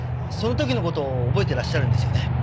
その時の事を覚えてらっしゃるんですよね？